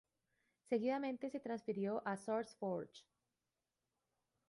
Seguidamente, se transfirió a SourceForge.